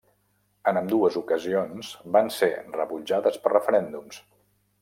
En ambdues ocasions van ser rebutjades per referèndums.